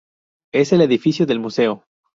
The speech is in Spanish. Es el edificio del museo.